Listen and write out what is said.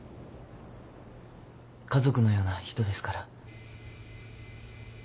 家族のような人ですから。